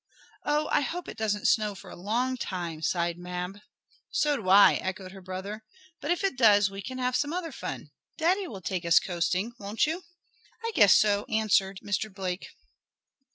"Oh, I hope it doesn't snow for a long time," sighed Mab. "So do I!" echoed her brother. "But, if it does, we can have some other fun. Daddy will take us coasting; won't you?" "I guess so," answered Mr. Blake.